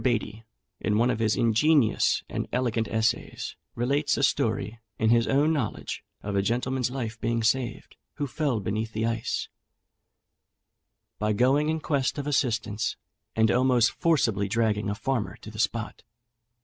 Beattie, in one of his ingenious and elegant essays, relates a story, in his own knowledge, of a gentleman's life being saved, who fell beneath the ice, by his dog's going in quest of assistance, and almost forcibly dragging a farmer to the spot.